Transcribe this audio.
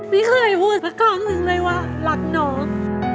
ไม่เคยพูดประกอบหนึ่งเลยว่ารักน้อง